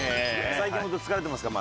最近本当疲れてますか？